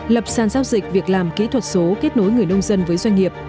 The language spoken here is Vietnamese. lập sàn giao dịch việc làm kỹ thuật số kết nối người nông dân với doanh nghiệp